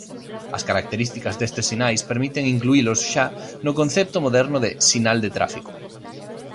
As características destes sinais permiten incluílos xa no concepto moderno de "sinal de tráfico".